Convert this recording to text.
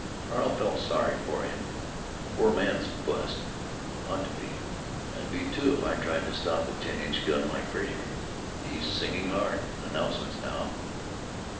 Carl felt sorry for him. "Poor man 's fussed. Ought to be! I'd be, too, if I tried to stop a ten inch gun like Frazer.... He's singing hard.... Announcements, now....